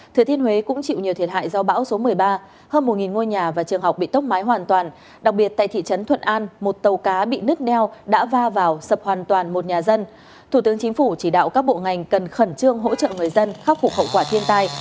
thủ tướng chính phủ chỉ đạo các bộ ngành cần khẩn trương hỗ trợ người dân khắc phục hậu quả thiên tai